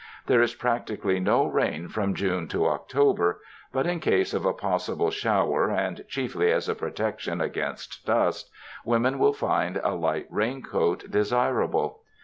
There is practically no rain from June to October; but in case of a possible shower and chiefly as a protection against dust, women will find a light rain coat desirable.